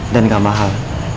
dan gak mahal